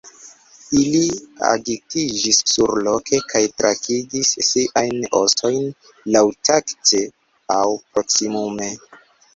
Ili agitiĝis surloke kaj krakigis siajn ostojn laŭtakte, aŭ proksimume.